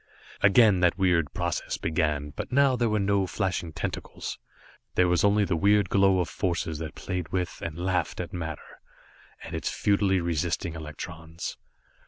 Again that weird process began, but now there were no flashing tentacles. There was only the weird glow of forces that played with, and laughed at matter, and its futilely resisting electrons.